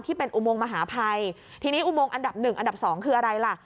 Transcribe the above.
อุโมงมหาภัยทีนี้อุโมงอันดับหนึ่งอันดับสองคืออะไรล่ะ